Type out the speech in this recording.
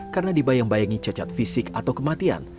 karena dibayang bayangi cacat fisik atau kematian